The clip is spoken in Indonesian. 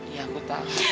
iya aku tahu